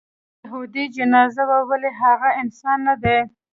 یهودي جنازه وه ولې هغه انسان نه دی.